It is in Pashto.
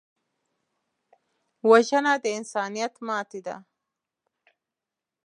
وژنه د انسانیت ماتې ده